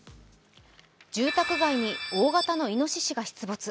住宅街に大型のイノシシが出没。